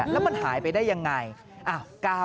แล้วมันหายไปได้ยังไง